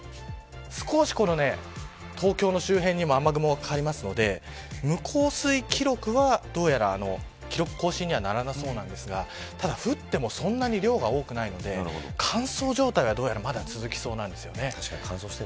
少し東京の周辺にも雨雲がかかりますので無降水記録は、どうやら記録更新にはならなそうなんですがただ、降ってもそんなに量が多くないので乾燥状態はまだ続きそうなんです。